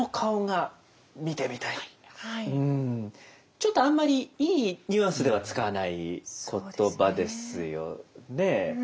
ちょっとあんまりいいニュアンスでは使わない言葉ですよね。